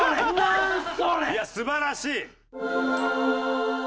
いや素晴らしい！